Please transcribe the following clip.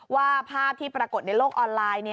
ว่าภาพที่ปรากฏในโลกออนไลน์